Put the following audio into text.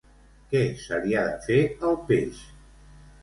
Què se li ha de fer al peix?